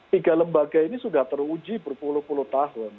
tiga lembaga ini sudah teruji berpuluh puluh tahun